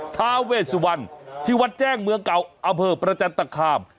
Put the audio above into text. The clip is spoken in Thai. ท้าเวสวันที่วัดแจ้งเมืองเก่าอเผอร์ประจันทร์ตะขาม